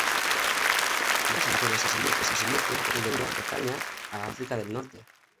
De las Islas Azores a Sicilia y de Gran Bretaña al África del norte.